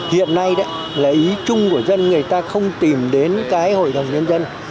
hiện nay đấy là ý chung của dân người ta không tìm đến cái hội đồng nhân dân